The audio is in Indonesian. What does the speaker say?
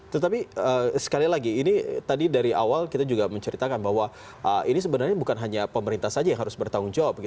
tetapi sekali lagi ini tadi dari awal kita juga menceritakan bahwa ini sebenarnya bukan hanya pemerintah saja yang harus bertanggung jawab